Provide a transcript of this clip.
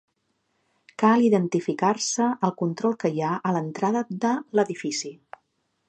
Cal identificar-se al control que hi ha a l'entrada de l'edifici.